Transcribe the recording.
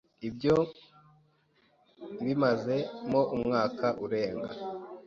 ibyo mbimaze mo umwaka urenga.